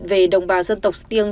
về đồng bào dân tộc sư tiêng